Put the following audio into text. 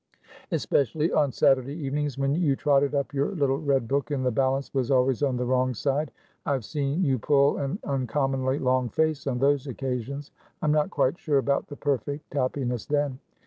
"Especially on Saturday evenings, when you totted up your little red book, and the balance was always on the wrong side. I have seen you pull an uncommonly long face on those occasions. I am not quite sure about the perfect happiness then."